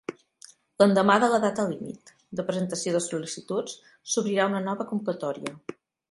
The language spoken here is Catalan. L'endemà de la data límit de presentació de sol·licituds s'obrirà una nova convocatòria.